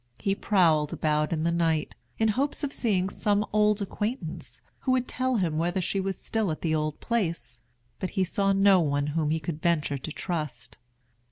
He prowled about in the night, in hopes of seeing some old acquaintance, who would tell him whether she was still at the old place; but he saw no one whom he could venture to trust.